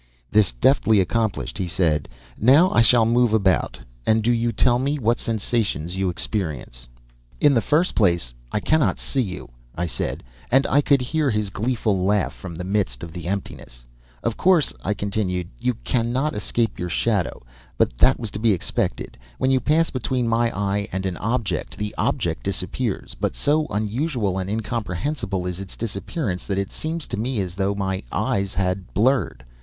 This deftly accomplished, he said, "Now I shall move about, and do you tell me what sensations you experience." "In the first place, I cannot see you," I said, and I could hear his gleeful laugh from the midst of the emptiness. "Of course," I continued, "you cannot escape your shadow, but that was to be expected. When you pass between my eye and an object, the object disappears, but so unusual and incomprehensible is its disappearance that it seems to me as though my eyes had blurred.